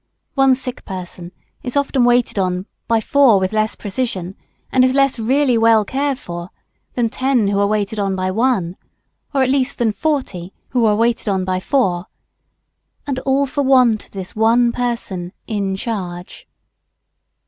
One sick person is often waited on by four with less precision, and is really less cared for than ten who are waited on by one; or at least than 40 who are waited on by 4; and all for want of this one person "in charge.")